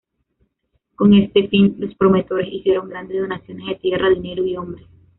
Con este fin, los promotores hicieron grandes donaciones de tierras, dinero y hombres.